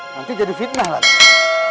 nanti jadi fitnah lagi